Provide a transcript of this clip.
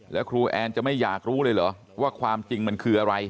แล้วครูแอนจะไม่อยากรู้เลยเหรอว่าความจริงมันคืออะไร